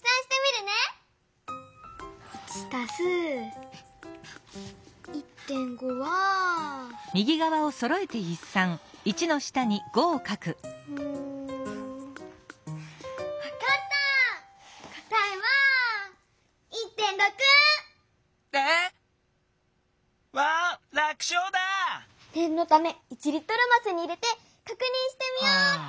ねんのため１リットルますに入れてかくにんしてみようっと！